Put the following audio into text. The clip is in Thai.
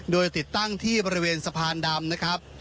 โดยติดตั้งที่บริเวณสะพานดำนะครับ